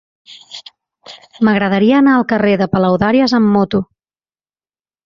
M'agradaria anar al carrer de Palaudàries amb moto.